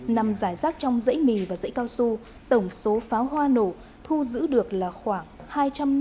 nằm giải rác trong dãy mì và dãy cao su tổng số pháo hoa nổ thu giữ được là khoảng hai trăm năm mươi